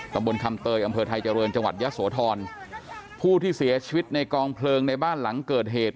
บนคำเตยอำเภอไทยเจริญจังหวัดยะโสธรผู้ที่เสียชีวิตในกองเพลิงในบ้านหลังเกิดเหตุ